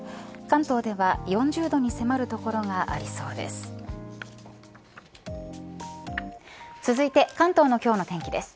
関東では４０度に迫る所がありそうです。